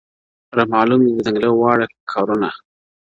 رامعلوم دي د ځنګله واړه کارونه!